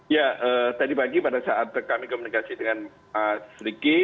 ya tadi pagi pada saat kami komunikasi dengan mas riki